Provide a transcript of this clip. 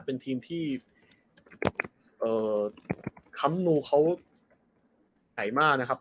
เป็นทีมที่เอ่อค้ำงูเขาไหลมานะครับ